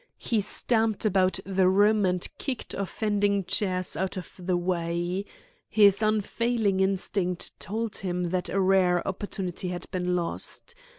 He stamped about the room and kicked unoffending chairs out of the way. His unfailing instinct told him that a rare opportunity had been lost.